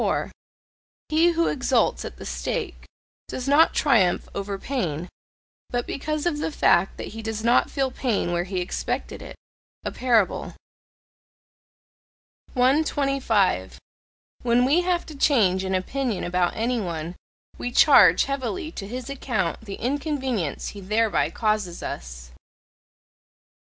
He who exults at the stake, does not triumph over pain, but because of the fact that he does not feel pain where he expected it. A parable. 125. When we have to change an opinion about any one, we charge heavily to his account the inconvenience he thereby causes us.